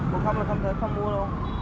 mà không là không thể không mua đâu